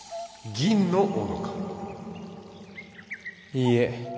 いいえ。